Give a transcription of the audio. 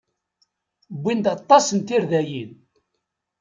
Wwin-d aṭas n tirdayin.